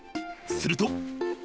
すると。